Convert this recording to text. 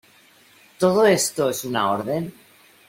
¿ todo esto es una orden?